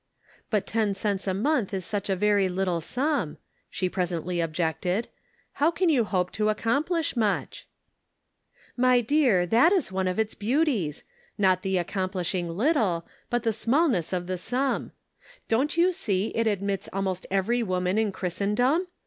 " But ten cents a month is such a very little sum," she presently objected; "how can you hope to accomplish much?" 146 The Pocket Measure. " My dear, that is one of its beauties ; not the accomplishing little, but the smallness of the sum; don't you see it admits almost every woman in Christendom